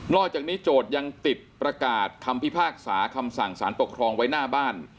อกจากนี้โจทย์ยังติดประกาศคำพิพากษาคำสั่งสารปกครองไว้หน้าบ้าน